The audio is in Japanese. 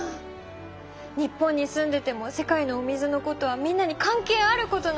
日本に住んでても世界のお水のことはみんなに関係あることなのに！